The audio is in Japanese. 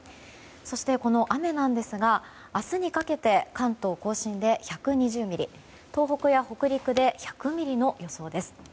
この雨ですが明日にかけて関東・甲信で１２０ミリ東北や北陸で１００ミリの予想です。